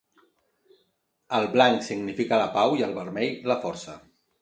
El blanc significa la pau i el vermell la força.